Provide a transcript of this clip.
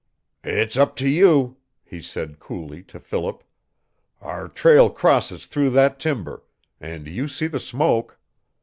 "It's up to you," he said coolly to Philip. "Our trail crosses through that timber and you see the smoke.